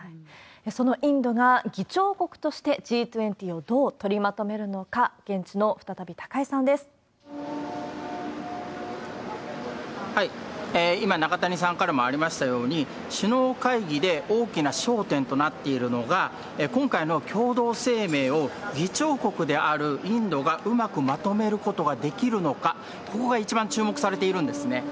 そのインドが、議長国としてＧ２０をどう取りまとめるのか、現地の、今、中谷さんからもありましたように、首脳会議で大きな焦点となっているのが、今回の共同声明を、議長国であるインドがうまくまとめることができるのか、ここが一番注目されているんですね。